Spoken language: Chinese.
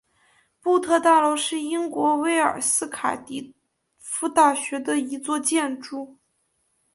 布特大楼是英国威尔斯卡迪夫大学的一座建筑。